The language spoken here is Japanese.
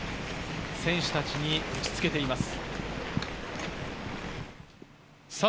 選手たちに打ちつけています。